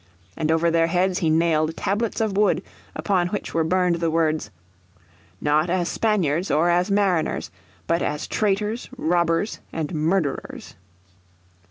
And over their heads he nailed tablets of wood upon which were burned the words "Not as Spaniards or as Mariners, but as Traitors, Robbers and Murderers."